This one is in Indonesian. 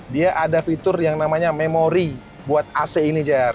dia ada fitur yang namanya memori buat ac ini